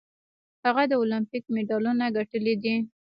هغه د المپیک مډالونه ګټلي دي.